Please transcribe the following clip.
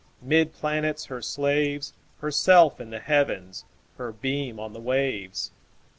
'Mid planets her slaves, Herself in the Heavens, Her beam on the waves.